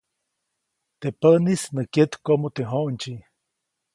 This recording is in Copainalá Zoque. Teʼ päʼnis nä kyetkoʼmu teʼ j̃oʼndsyi.